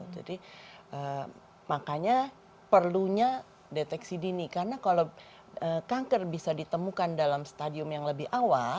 jadi makanya perlunya deteksi dini karena kalau kanker bisa ditemukan dalam stadium yang lebih awal